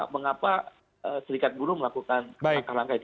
mengapa serikat buruh melakukan langkah langkah itu